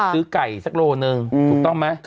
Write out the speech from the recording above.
ซื้อไก่สักโลหนึ่งถูกต้องไหม